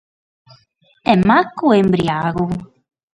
est macu o est imbriagu